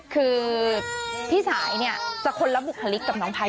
คือพี่สายเนี่ยจะคนละบุคลิกกับน้องภัย